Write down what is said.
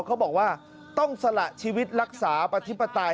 เขาบอกว่าต้องสละชีวิตรักษาประธิปไตย